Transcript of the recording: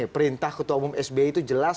perintah ketua umum sbi itu jelas